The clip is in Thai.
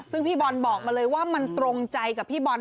ซึ่งพี่บอลบอกมาเลยว่ามันตรงใจกับพี่บอล